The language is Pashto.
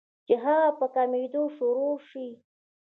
چې هغه پۀ کمېدو شورو شي